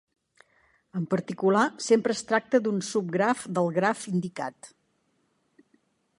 En particular, sempre es tracta d'un subgraf del graf indicat.